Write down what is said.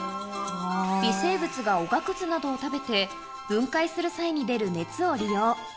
微生物がおがくずなどを食べて、分解する際に出る熱を利用。